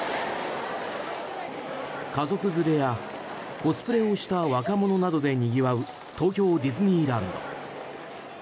家族連れや、コスプレをした若者などでにぎわう東京ディズニーランド。